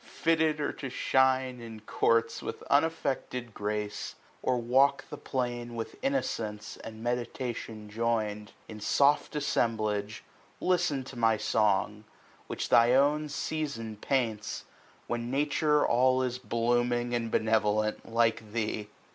fitted or to shine in courts 5 With unaffected grace, or walk the plain With innocence and meditation join'd In soft assemblage, listen to my song, Which tliy own Season paints ; when Nature all Is blooming and benevolent, like thee.